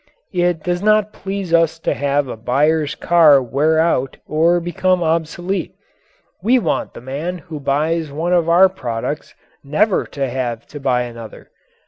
It does not please us to have a buyer's car wear out or become obsolete. We want the man who buys one of our products never to have to buy another.